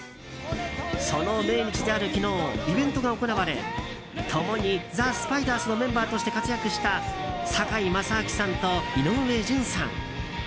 その命日である昨日イベントが行われ共にザ・スパイダースのメンバーとして活躍した堺正章さんと井上順さん。